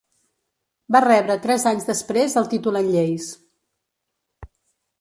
Va rebre tres anys després el títol en lleis.